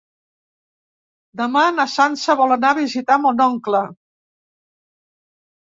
Demà na Sança vol anar a visitar mon oncle.